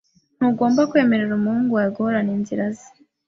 Ntugomba kwemerera umuhungu wawe guhorana inzira ze.